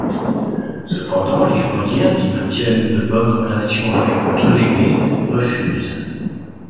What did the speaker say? Cependant, les Rhodiens, qui maintiennent de bonnes relations avec Ptolémée, refusent.